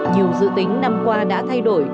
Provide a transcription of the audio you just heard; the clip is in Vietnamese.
nhiều dự tính năm qua đã thay đổi